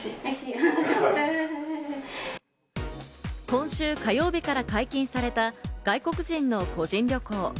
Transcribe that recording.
今週火曜日から解禁された外国人の個人旅行。